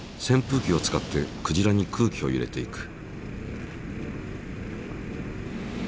ぷうきを使ってクジラに空気を入れていく。